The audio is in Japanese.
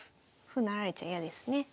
歩成られちゃ嫌ですね。